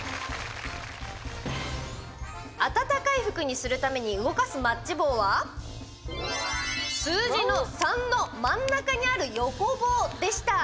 暖かい服にするために動かすマッチ棒は数字の３の真ん中にある横棒でした。